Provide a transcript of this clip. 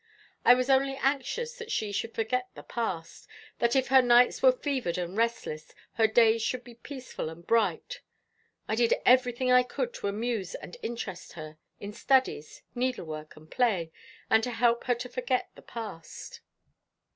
I was only anxious that she should forget the past that if her nights were fevered and restless, her days should be peaceful and bright. I did everything I could to amuse and interest her, in studies, needlework, and play, and to help her to forget the past."